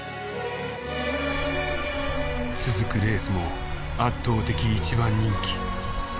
続くレースも圧倒的一番人気。